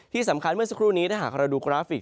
ที่สำคัญเมื่อสักครู่นี้ถ้าหากเราดูกราฟิก